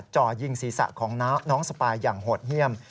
จ่อยิงศีรษะของน้องสปายอย่างโหดเยี่ยม